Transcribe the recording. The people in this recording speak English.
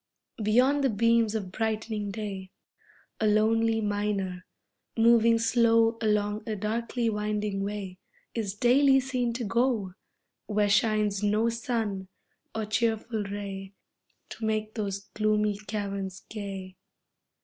Beyond the beams of brightening day A lonely miner, moving slow Along a darkly winding way, Is daily seen to go, Where shines no sun or cheerful ray To make those gloomy caverns gay.